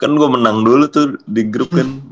kan gue menang dulu tuh di grup kan